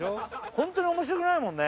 本当に面白くないもんね！